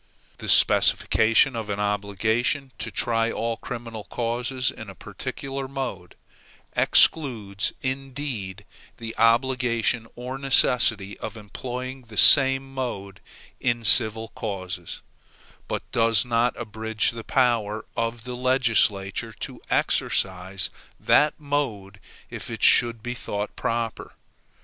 The specification of an obligation to try all criminal causes in a particular mode, excludes indeed the obligation or necessity of employing the same mode in civil causes, but does not abridge the power of the legislature to exercise that mode if it should be thought proper.